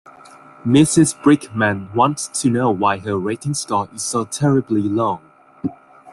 Mrs Brickman wants to know why her rating score is so terribly low.